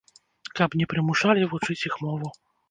Каб не прымушалі вучыць іх мову.